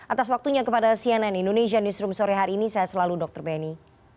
atas waktunya kepada cnn indonesia newsroom sore hari ini saya selalu dr beni